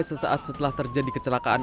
sesaat setelah terjadi kecelakaan